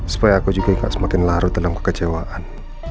supaya aku juga enggak semakin larut dalam kekecewaan